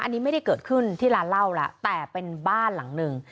อันนี้ไม่ได้เกิดขึ้นที่ร้านเหล้าแล้วแต่เป็นบ้านหลังหนึ่ง